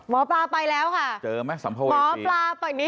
หมอปลาไปแล้วค่ะเจอไหมสัมภัยเปรียสี